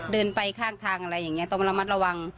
เดินไปข้างทางอะไรอย่างนี้ต้องระมัดระวัง